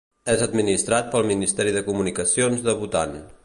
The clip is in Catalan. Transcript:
És administrat pel Ministeri de Comunicacions de Bhutan.